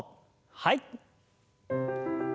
はい。